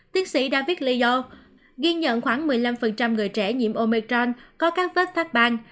tiến sĩ david leo ghi nhận khoảng một mươi năm người trẻ nhiễm omicron có các vết phát ban